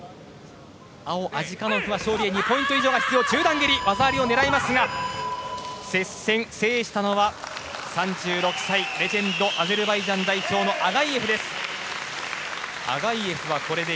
青、アジカノフは勝利へ２ポイント以上が必要接戦制したのは３６歳レジェンドアゼルバイジャン代表のアガイェフです。